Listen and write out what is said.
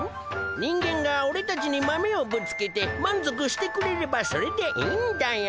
人間がおれたちに豆をぶつけて満足してくれればそれでいいんだよ。